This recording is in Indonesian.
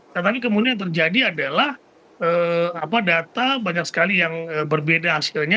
tetapi kemudian yang terjadi adalah data banyak sekali yang berbeda hasilnya